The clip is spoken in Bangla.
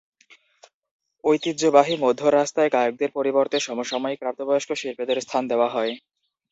ঐতিহ্যবাহী মধ্য-রাস্তার গায়কদের পরিবর্তে সমসাময়িক প্রাপ্তবয়স্ক শিল্পীদের স্থান দেওয়া হয়।